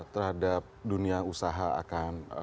terhadap dunia usaha akan